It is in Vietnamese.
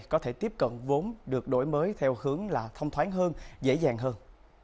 có thể tiếp cận vốn được đổi mới theo hướng là thông thoáng hơn dễ dàng hơn